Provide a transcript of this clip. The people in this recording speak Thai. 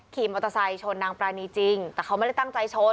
ขี่มอเตอร์ไซค์ชนนางปรานีจริงแต่เขาไม่ได้ตั้งใจชน